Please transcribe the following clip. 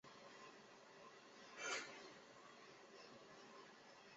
贯索四是位于北冕座的双星系统。